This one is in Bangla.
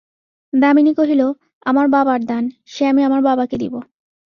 দামিনী কহিল, আমার বাবার দান, সে আমি আমার বাবাকে দিব।